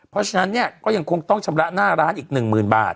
เพราะฉะนั้นเนี่ยก็ยังคงต้องชำระหน้าร้านอีก๑๐๐๐บาท